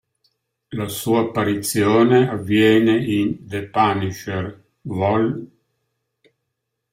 La sua apparizione avviene in "The Punisher" vol.